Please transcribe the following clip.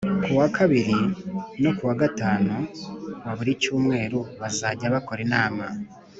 Kuwa kabiri no ku wa gatanu wa buri cyumweru bazajya bakora inama